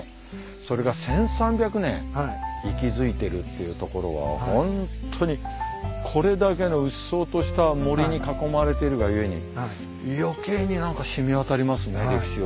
それが１，３００年息づいてるっていうところは本当にこれだけのうっそうとした森に囲まれてるがゆえに余計に何かしみわたりますね歴史を。